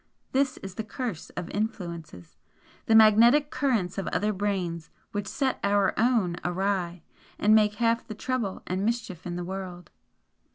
This is the curse of 'influences' the magnetic currents of other brains which set our own awry, and make half the trouble and mischief in the world.